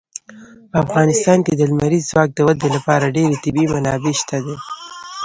په افغانستان کې د لمریز ځواک د ودې لپاره ډېرې طبیعي منابع شته دي.